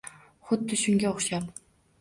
Xuddi shunga o‘xshab